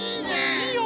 いいよ！